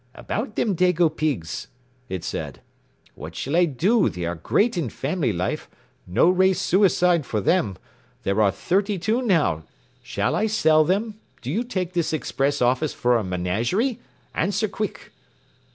“About them dago pigs,” it said, “what shall I do they are great in family life, no race suicide for them, there are thirty two now shall I sell them do you take this express office for a menagerie, answer quick.